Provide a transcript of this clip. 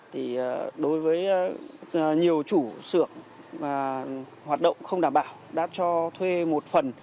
thì đối với nhiều chủ xưởng hoạt động không đảm bảo đã cho thuê một phần